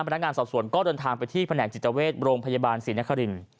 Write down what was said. พนักงานสอบสวนก็เดินทางไปที่แผนกจิตเวชโรงพยาบาลศรีนคริน